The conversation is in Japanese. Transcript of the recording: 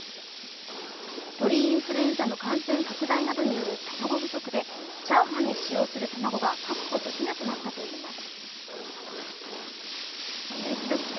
鳥インフルエンザの感染拡大などによる卵不足で、チャーハンに使用する卵が確保できなくなったといいます。